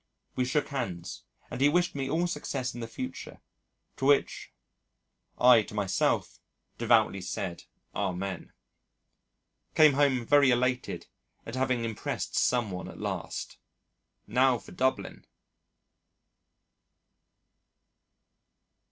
We shook hands, and he wished me all success in the future, to which I to myself devoutly said Amen. Came home very elated at having impressed some one at last. Now for Dublin.